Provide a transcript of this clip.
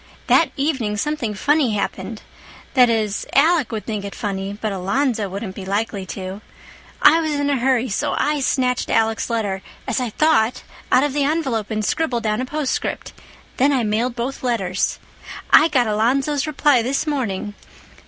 That evening something funny happened. That is, Alec would think it funny, but Alonzo wouldn't be likely to. I was in a hurry, so I snatched Alec's letter—as I thought—out of the envelope and scribbled down a postscript. Then I mailed both letters. I got Alonzo's reply this morning.